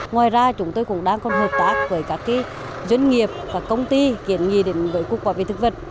ngoài ra chúng tôi cũng đang còn hợp tác với các doanh nghiệp và công ty kiến nghị đến với cục bảo vệ thực vật